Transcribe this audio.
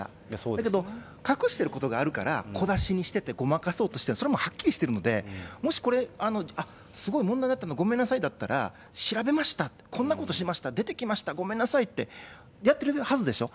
だけど、隠してることがあるから、小出しにしてってごまかそうとしてる、それもはっきりしてるので、もしこれ、すごい問題になったの、ごめんなさいだったら、調べました、こんなことしました、出てきました、ごめんなさいって、やってるはずでしょ？